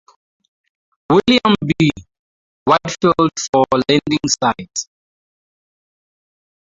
William B. Whitefield for landing sites.